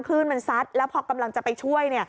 คลื่นมันซัดแล้วพอกำลังจะไปช่วย